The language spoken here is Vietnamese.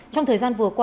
trong thời gian vừa qua